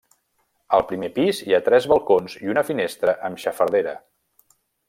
Al primer pis hi ha tres balcons i una finestra amb xafardera.